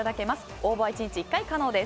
応募は１日１回可能です。